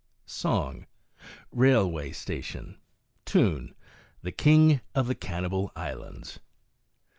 SONG. "RAILWAY STATION? ' (Tune —" The King of the Cannibal Islands.